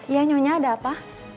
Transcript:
ya nyonya ada apa